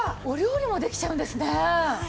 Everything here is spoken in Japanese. お料理もできちゃうんですね。